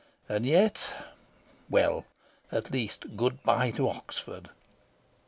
And yet well, at least, good bye to Oxford!